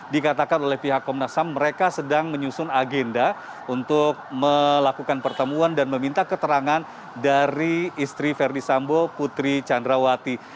dikatakan oleh pihak komnas ham mereka sedang menyusun agenda untuk melakukan pertemuan dan meminta keterangan dari istri verdi sambo putri candrawati